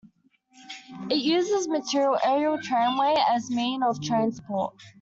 It uses a material aerial tramway as mean of transport.